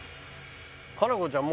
佳菜子ちゃん